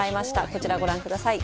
こちらご覧ください。